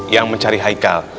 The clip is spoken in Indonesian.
yang mencari haikal